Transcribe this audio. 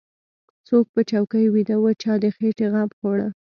څوک په چوکۍ ويده و چا د خېټې غم خوړ.